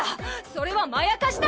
それはまやかしだ！